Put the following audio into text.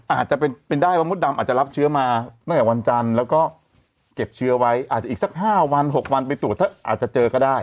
อาจจะเป็นได้ว่ามดดำอาจจะรับเชื้อมาตั้งแต่วันจันทร์แล้วก็เก็บเชื้อไว้อาจจะอีกสัก๕วัน๖วันไปตรวจถ้าอาจจะเจอก็ได้